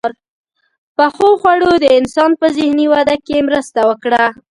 • پخو خوړو د انسان په ذهني وده کې مرسته وکړه.